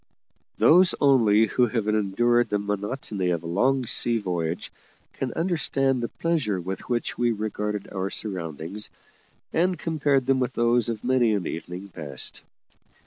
Those only who have endured the monotony of a long sea voyage can understand the pleasure with which we regarded our surroundings, and compared them with those of many an evening past.